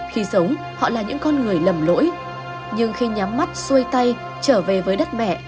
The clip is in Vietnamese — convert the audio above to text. khi sống họ là những con người lầm lỗi nhưng khi nhắm mắt xuôi tay trở về với đất mẹ